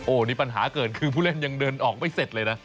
นี่ปัญหาเกิดคือผู้เล่นยังเดินออกไม่เสร็จเลยนะ